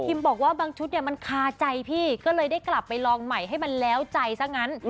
บอกว่าบางชุดเนี่ยมันคาใจพี่ก็เลยได้กลับไปลองใหม่ให้มันแล้วใจซะงั้น